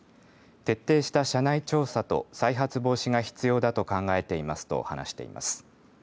徹底した社内調査と再発防止が必要だと考えていますと話しています。